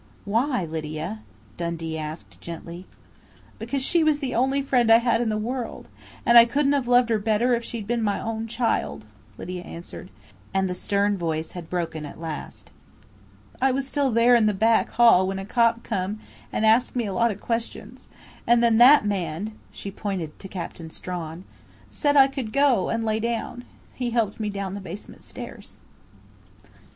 "Why, Lydia?" Dundee asked gently. "Because she was the only friend I had in the world, and I couldn't have loved her better if she'd been my own child," Lydia answered. And the stern voice had broken at last. "I was still there in the back hall when a cop come and asked me a lot of questions, and then that man " she pointed to Captain Strawn, " said I could go and lay down. He helped me down the basement stairs."